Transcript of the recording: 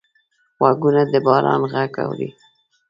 غوږونه د باران غږ اوري